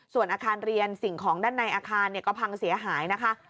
ส่วนอาคารเรียนสิ่งของด้านในอาคารก็พังเสียหายนะคะ